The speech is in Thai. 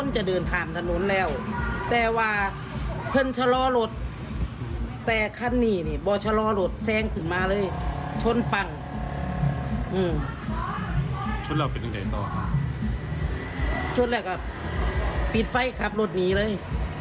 ชุดแรกก็ปิดไฟขับรถหนีเลย